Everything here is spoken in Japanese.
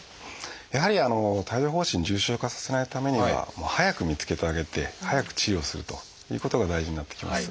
やはり帯状疱疹重症化させないためには早く見つけてあげて早く治療をするということが大事になってきます。